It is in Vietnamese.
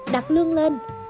đặt lương lên